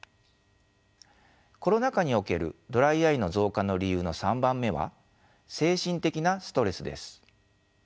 コロナ禍におけるドライアイの増加の理由の３番目は精神的なストレスです。